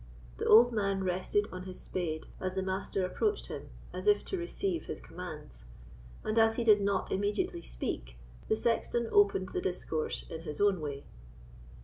The old man rested on his spade as the Master approached him, as if to receive his commands; and as he did not immediately speak, the sexton opened the discourse in his own way.